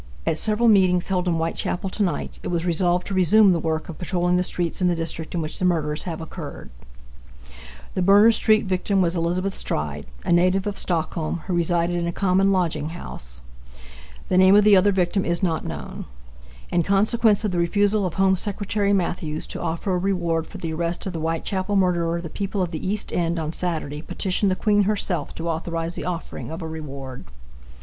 At several meetings held in Whitechapel to night it was resolved to resume the work of patrolling the streets in the district in which the murders have occurred. The Berners street victim was Elizabeth Stride, a native of Stockholm, who resided in a common lodging house. The name of the other victim is not known. In consequence of the refusal of Home Secretary Matthews to offer a reward for the arrest of the Whitechapel murderer the people of the East End on Saturday petitioned the Queen herself to authorize the offering of a reward.